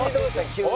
急に。